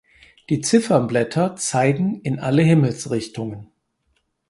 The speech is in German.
Die Zifferblätter zeigen in alle Himmelsrichtungen.